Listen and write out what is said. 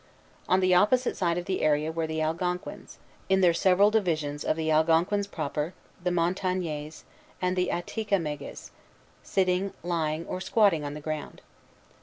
On the opposite side of the area were the Algonquins, in their several divisions of the Algonquins proper, the Montagnais, and the Atticamegues, sitting, lying, or squatting on the ground.